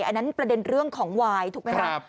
อันนั้นประเด็นเรื่องของวายถูกไหมครับ